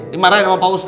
dimarahin sama pak ustadz